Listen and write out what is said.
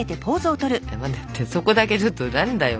そこだけずっと何だよ。